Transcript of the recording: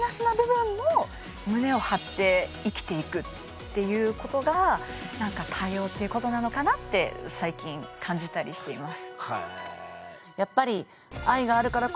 っていうことが多様っていうことなのかなって最近感じたりしています。